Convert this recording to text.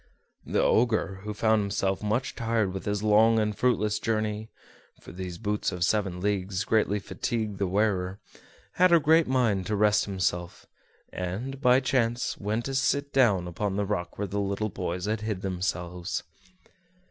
The Ogre, who found himself much tired with his long and fruitless journey (for these boots of seven leagues greatly fatigued the wearer), had a great mind to rest himself, and, by chance, went to sit down upon the rock where the little boys had hid themselves.